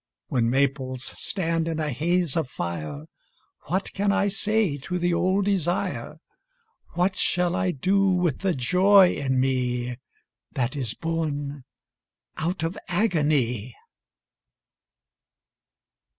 When maples stand in a haze of fire What can I say to the old desire, What shall I do with the joy in me That is born out of agony?